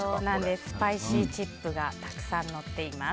スパイシーチップがたくさんのっています。